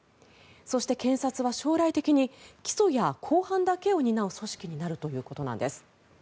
そして検察は将来的に起訴や公判だけを担う組織になるということです。